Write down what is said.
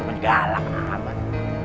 gak usah galang amat